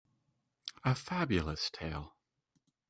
A Fabulous tale.